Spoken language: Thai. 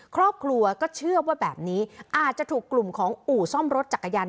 ครอบครัวก็เชื่อว่าแบบนี้อาจจะถูกกลุ่มของอู่ซ่อมรถจักรยาน